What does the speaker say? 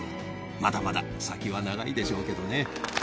まだまだ先は長いでしょうけどね。